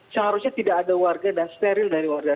seharusnya tidak ada warga dan steril dari warga